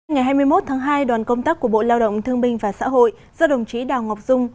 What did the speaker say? ngày hai mươi một tháng hai đoàn công tác của bộ lao động thương binh và xã hội do đồng chí đào ngọc dung